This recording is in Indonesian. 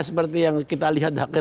seperti yang kita lihat